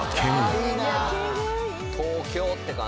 東京って感じ。